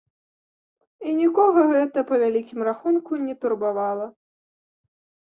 І нікога гэта, па вялікім рахунку, не турбавала.